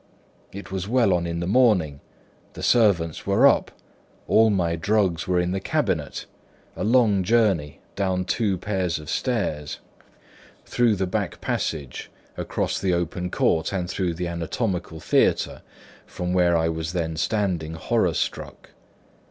It was well on in the morning; the servants were up; all my drugs were in the cabinet—a long journey down two pairs of stairs, through the back passage, across the open court and through the anatomical theatre, from where I was then standing horror struck.